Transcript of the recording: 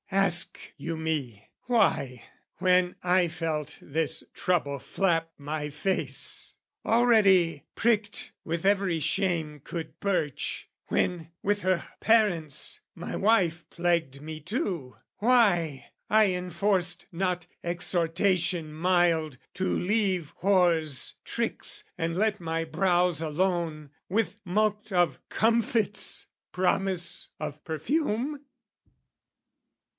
Ask you me Why, when I felt this trouble flap my face, Already pricked with every shame could perch, When, with her parents, my wife plagued me too, Why I enforced not exhortation mild To leave whore's tricks and let my brows alone, With mulct of comfits, promise of perfume?